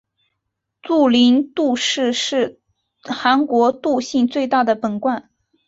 杜陵杜氏是韩国杜姓最大的本贯。